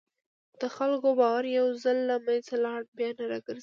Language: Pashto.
د خلکو باور یو ځل له منځه لاړ، بیا نه راګرځي.